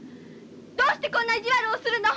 どうしてこんな意地悪をするの！